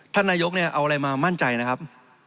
ท่านนายกเนี่ยเอาอะไรมามั่นใจนะครับ